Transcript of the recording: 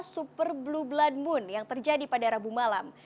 super blue blood moon yang terjadi pada rabu malam